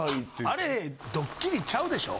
あれドッキリちゃうでしょ？